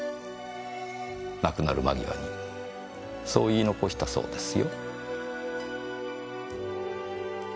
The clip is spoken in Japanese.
亡くなる間際にそう言い残したそうですよ。